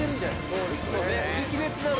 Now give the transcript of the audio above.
そうですね。